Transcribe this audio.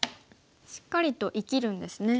しっかりと生きるんですね。